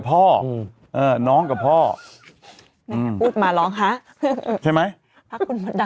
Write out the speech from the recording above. เอ่อน้องกับพ่ออืมมาลองฮะใช่ไหมโดย